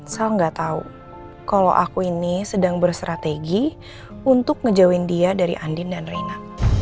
sal gak tau kalau aku ini sedang bersrategi untuk ngejauhin dia dari andin dan reina